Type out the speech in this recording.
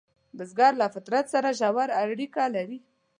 بزګر له فطرت سره ژور اړیکه لري